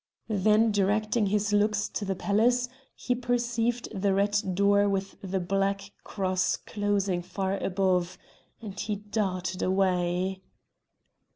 Then directing his looks to the palace he perceived the red door with the black cross closing far above, and he darted away.